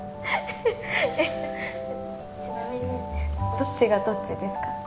えっちなみにどっちがどっちですか？